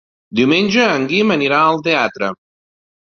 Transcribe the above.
Diumenge en Guim anirà al teatre.